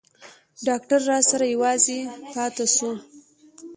ډاکتر راسره يوازې پاته سو.